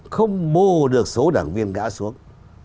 không mô được số đảng viên gã xuống